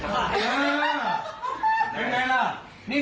สวัสดี